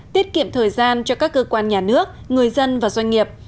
tiết kiệm thời gian cho các cơ quan nhà nước người dân và doanh nghiệp